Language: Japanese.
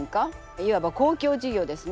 いわば公共事業ですね。